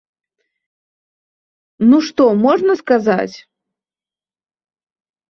Ну, што можна сказаць?